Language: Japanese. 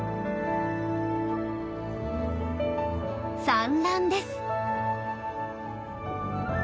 産卵です。